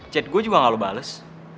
chat gue juga gak lo bales